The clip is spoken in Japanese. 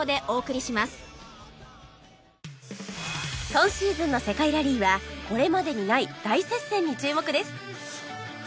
今シーズンの世界ラリーはこれまでにない大接戦に注目です